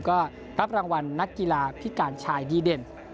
ก็รับรางวัลนักกีฬาพิการชายดีเด่น